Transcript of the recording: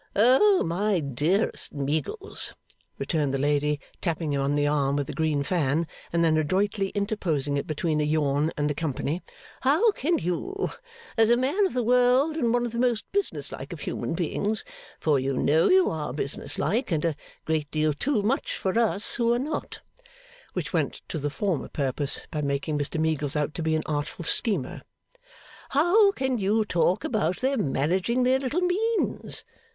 'Oh! my dearest Meagles!' returned the lady, tapping him on the arm with the green fan and then adroitly interposing it between a yawn and the company, 'how can you, as a man of the world and one of the most business like of human beings for you know you are business like, and a great deal too much for us who are not ' (Which went to the former purpose, by making Mr Meagles out to be an artful schemer.) ' How can you talk about their managing their little means?